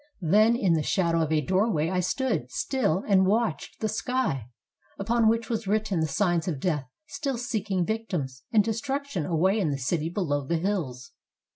Then in the shadow of a doorway I stood still and watched the sky, upon which was written the signs of death still seeking victims, and destruction away in the city below the hills.